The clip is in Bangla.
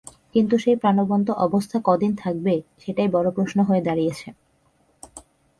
কিন্তু সেই প্রাণবন্ত অবস্থা কদিন থাকবে, সেটাই বড় প্রশ্ন হয়ে দাঁড়িয়েছে।